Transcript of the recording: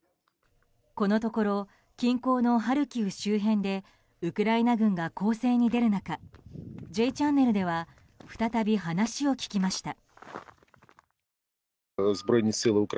このところ近郊のハルキウ周辺でウクライナ軍が攻勢に出る中「Ｊチャンネル」では再び話を聞きました。